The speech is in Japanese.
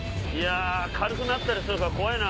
軽くなったりするから怖いな。